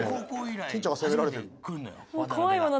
金ちゃんが責められてる。